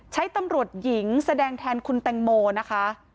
ตำรวจหญิงแสดงแทนคุณแตงโมนะคะ